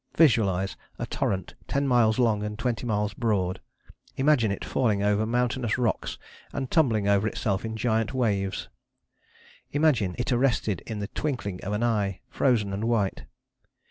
Visualize a torrent ten miles long and twenty miles broad; imagine it falling over mountainous rocks and tumbling over itself in giant waves; imagine it arrested in the twinkling of an eye, frozen and white.